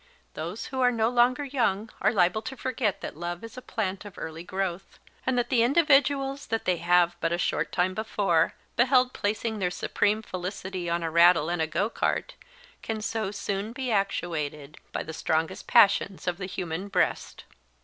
Those who are no longer young are liable to forget that love is a plant of early growth, and that the individuals that they have but a short time before beheld placing their supreme felicity on a rattle and a go cart can so soon be actuated by the strongest passions of the human breast.